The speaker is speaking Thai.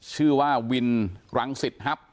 ชื่อว่าวินกรังศิษย์ครับ